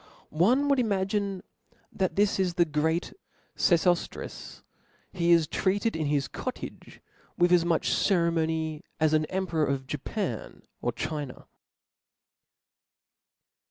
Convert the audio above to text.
One would imagine that Book: this is the great Sef(5ftris. He is treated in his cw"L cottage, with as much ceremony as an emperor of Japan or China.